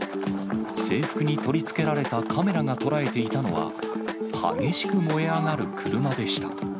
制服に取り付けられたカメラが捉えていたのは、激しく燃え上がる車でした。